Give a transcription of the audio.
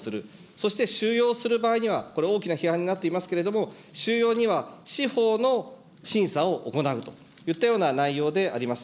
そして収容する場合には、これ、大きな批判になっていますけれども、収容には司法の審査を行うといったような内容であります。